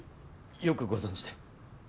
よくご存じで。